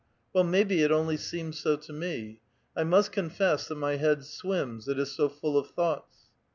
" Well, maybe it only seemed so to me. I must confess that my head swims, it is so full of thoughts."